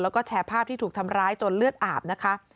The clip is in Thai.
แล้วก็แชร์ภาพที่ถูกทำร้ายจนเลือดอาบนะคะ